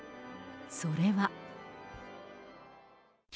それは。